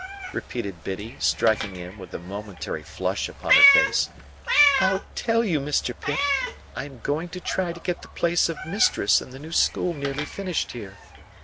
repeated Biddy, striking in, with a momentary flush upon her face. "I'll tell you, Mr. Pip. I am going to try to get the place of mistress in the new school nearly finished here.